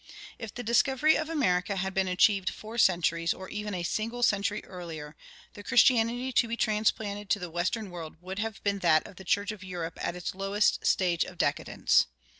If the discovery of America had been achieved four centuries or even a single century earlier, the Christianity to be transplanted to the western world would have been that of the church of Europe at its lowest stage of decadence.